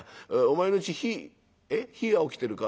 お前のうち火火はおきてるか」。